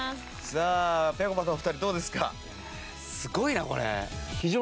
さあぺこぱのお二人どうですか？